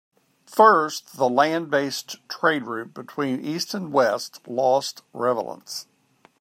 First, the land based trade route between east and west lost relevance.